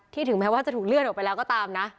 ถึงแม้ว่าจะถูกเลื่อนออกไปแล้วก็ตามนะ